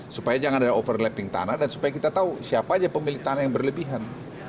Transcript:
supaya jangan ada overlapping tanah dan supaya kita tahu siapa aja pemilik tanah yang berlebihan